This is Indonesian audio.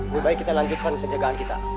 lebih baik kita lanjutkan penjagaan kita